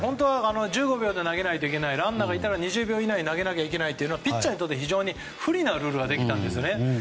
１５秒で投げなきゃいけないしランナーがいたら２０秒以内に投げなきゃいけないというピッチャーにとって不利なルールができたんです。